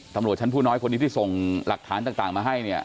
ตำรวจชั้นผู้น้อยคนนี้ที่ส่งหลักฐานต่างมาให้เนี่ย